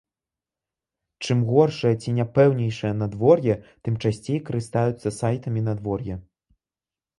Чым горшае ці няпэўнейшае надвор'е, тым часцей карыстаюцца сайтамі надвор'я.